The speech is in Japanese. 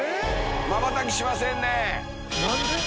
まばたきしませんね。